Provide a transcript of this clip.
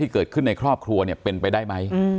เกิดขึ้นในครอบครัวเนี่ยเป็นไปได้ไหม